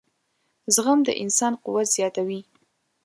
• زغم د انسان قوت زیاتوي.